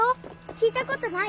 聞いたことない？